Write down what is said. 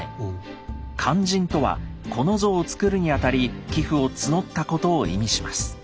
「勧進」とはこの像を作るにあたり寄付を募ったことを意味します。